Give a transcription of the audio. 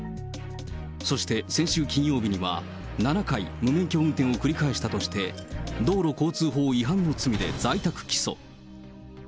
そして先週金曜日には、７回無免許運転を繰り返したとして、道路交通法違反の罪で在宅起訴。